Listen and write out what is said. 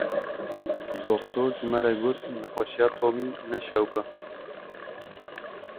Doktor ji me re got nexweşiya Tomî ne şewb e.